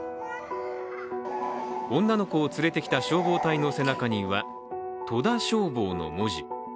女の子を連れてきた消防隊の背中には戸田消防の文字。